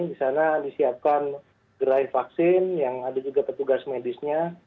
di sana disiapkan gerai vaksin yang ada juga petugas medisnya